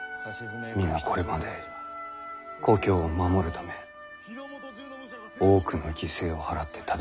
皆これまで故郷を守るため多くの犠牲を払って戦い続けてきた。